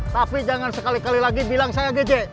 tapi jangan sekali kali lagi bilang saya gejek